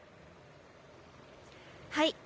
はい。